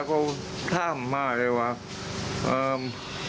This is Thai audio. เขาช่างมาได้ว่ะเอิ้ม